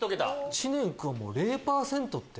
知念君０％って。